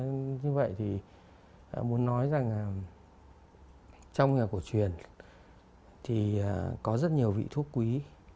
như vậy thì muốn nói rằng là trong nhà cổ truyền thì có rất nhiều vị thuốc quý